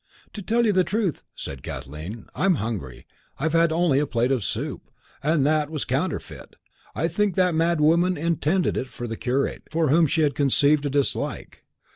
"To tell you the truth," said Kathleen, "I'm hungry. I've had only a plate of soup, and that was counterfeit. I think that mad woman intended it for the curate, for whom she had conceived a dislike."